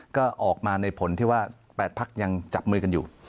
ก็ออกมาในผลที่ว่า๘พักยังจับมือกันอยู่